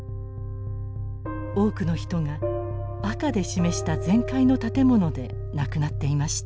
多くの人が赤で示した全壊の建物で亡くなっていました。